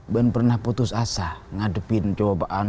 ben pernah putus asa ngadepin cowok bakalan